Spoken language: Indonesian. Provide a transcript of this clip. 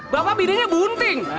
bapak bidinya bunting